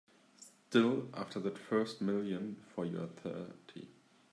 Still after that first million before you're thirty.